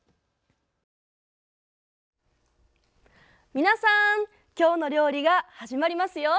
皆さん「きょうの料理」が始まりますよ。